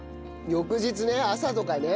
翌日ね朝とかね。